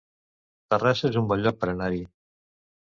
Terrassa es un bon lloc per anar-hi